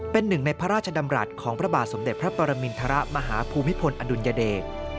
เป็นหนึ่งในพระราชดำรัฐของพระบาทสมเด็จพระปรมินทรมาฮภูมิพลอดุลยเดช